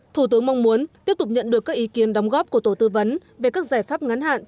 thủ tướng mong muốn tiếp tục nhận được các ý kiến đóng góp của tổ tư vấn về các giải pháp ngắn hạn